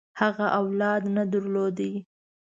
هغه اولاد نه درلود.